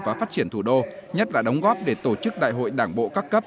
và phát triển thủ đô nhất là đóng góp để tổ chức đại hội đảng bộ các cấp